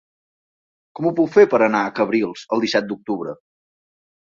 Com ho puc fer per anar a Cabrils el disset d'octubre?